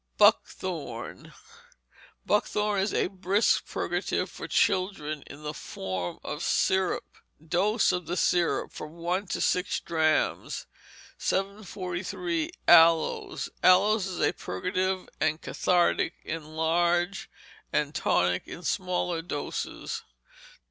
Buckthorn Buckthorn is a brisk purgative for children in the form of syrup. Dose of the syrup, from one to six drachms. 743. Aloes Aloes is a purgative and cathartic in large, and tonic in smaller doses.